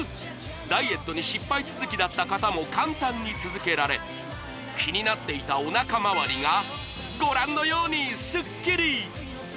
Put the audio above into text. ダイエットに失敗続きだった方も簡単に続けられ気になっていたおなかまわりがご覧のようにスッキリ！